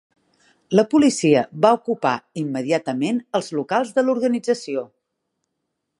La policia va ocupar immediatament els locals de l'organització.